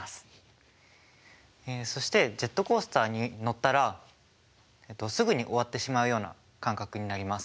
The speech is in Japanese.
そしてジェットコースターに乗ったらえっとすぐに終わってしまうような感覚になります。